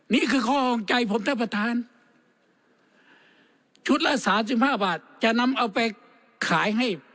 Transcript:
นี่คือข้อของใจผมท่านประธานชุดละสามสิบห้าบาทจะนำเอาไปขายให้